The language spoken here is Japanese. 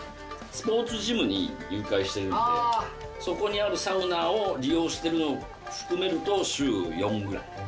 スポーツジムに入会してるんで、そこにあるサウナを利用しているのを含めると、週４ぐらい。